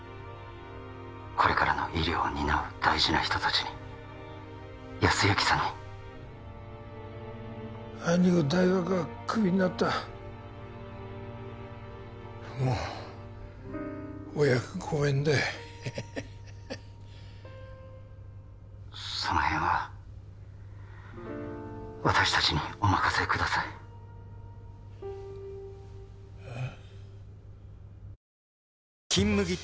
これからの医療を担う大事な人達に康之さんにあいにく大学はクビになったもうお役御免だよヘヘヘッその辺は私達にお任せくださいえっ？